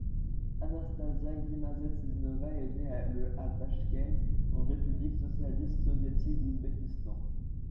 Anastasia Gimazetdinova est née le à Tachkent, en République socialiste soviétique d'Ouzbékistan.